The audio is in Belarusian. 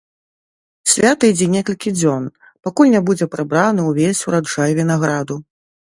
Свята ідзе некалькі дзён, пакуль не будзе прыбраны ўвесь ураджай вінаграду.